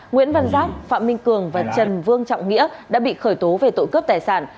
nguyễn văn giáp phạm minh cường và trần vương trọng nghĩa đã bị khởi tố về tội cướp tài sản